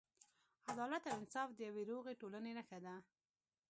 عدالت او انصاف د یوې روغې ټولنې نښه ده.